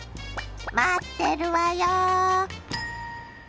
待ってるわよ。